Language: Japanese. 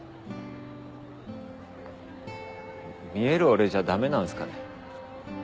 見える俺じゃダメなんすかね。